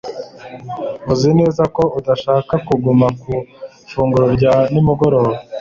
Uzi neza ko udashaka kuguma ku ifunguro rya nimugoroba